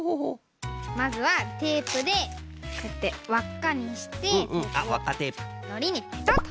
まずはテープでこうやってわっかにしてのりにペタッ。